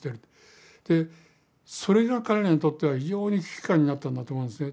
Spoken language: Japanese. それが彼らにとっては非常に危機感になったんだと思うんですね。